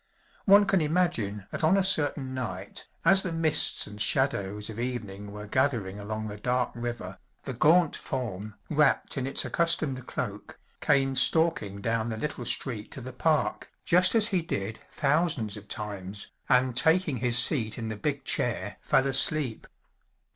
One can imagine that on a certain night, as the mists and shadows of evening were gathering along the dark river, the gaunt form, wrapped in its accustomed cloak, came stalking down the little street to the park, just as he did thousands of times, and taking his seat in the big chair fell asleep.